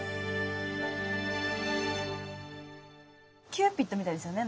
キューピッドみたいですよね。